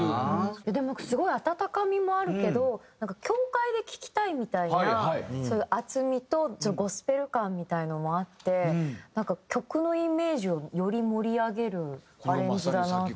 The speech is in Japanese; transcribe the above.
でもすごい温かみもあるけどなんか教会で聴きたいみたいなそういう厚みとゴスペル感みたいなのもあってなんか曲のイメージをより盛り上げるアレンジだなって。